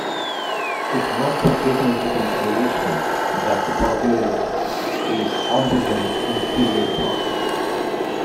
It must be taken into consideration that the bourgeoisie is always an inferior class.